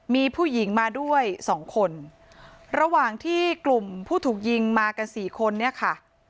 มีผู้หญิงมาด้วยสองคนระหว่างที่กลุ่มผู้ถูกยิงมากันสี่คนเนี่ยค่ะ